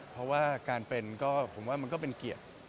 เพราะว่าการเป็นก็ผมว่ามันก็เป็นเกียรติ